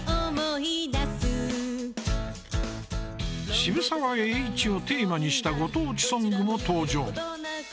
渋沢栄一をテーマにしたご当地ソングも登場。